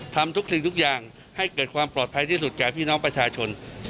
ทำทุกสิ่งทุกอย่างให้เกิดความปลอดภัยที่สุดแก่พี่น้องประชาชน